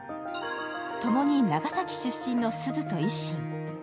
共に長崎出身の鈴と一心。